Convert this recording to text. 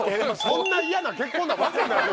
そんなイヤな結婚なわけない！